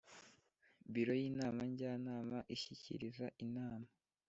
Biro y’Inama Njyanama ishyikiriza Inama